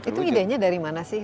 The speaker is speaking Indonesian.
itu idenya dari mana sih